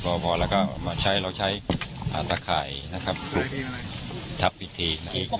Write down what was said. เราก็มาใช้เราใช้ตะไครนะครับทัพผิดที